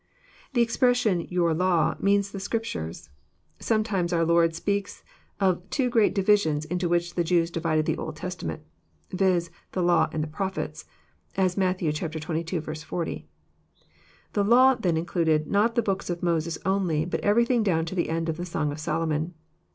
The expression, " your law," means the Scdptures. Some times oar Lord speaks of two great divisions into which the Jews divided the Old Testament : viz., the law and the proph ets. (As Matt. xxii. 40.) The "law" then included not the books of Moses only, but everything down to the end of the Song of Solomon.